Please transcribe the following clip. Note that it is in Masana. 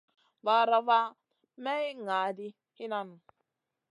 Vaara van may ŋa ɗi hinan nu.